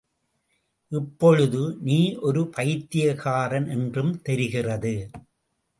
இப்பொழுது நீ ஒரு பைத்தியக்காரன் என்றும் தெரிகிறது!